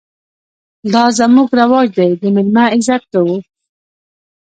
_دا زموږ رواج دی، د مېلمه عزت کوو.